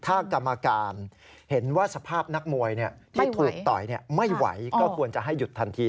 ถ้ากรรมการเห็นว่าสภาพนักมวยที่ถูกต่อยไม่ไหวก็ควรจะให้หยุดทันที